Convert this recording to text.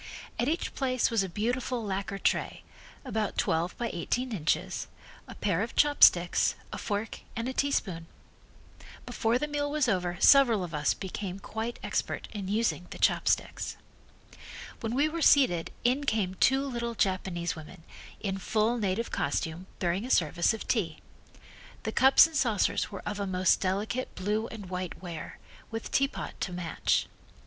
At each place was a beautiful lacquer tray, about twelve by eighteen inches, a pair of chopsticks, a fork and a teaspoon. Before the meal was over several of us became quite expert in using the chopsticks. When we were seated in came two little Japanese women, in full native costume, bearing a service of tea. The cups and saucers were of a most delicate blue and white ware, with teapot to match.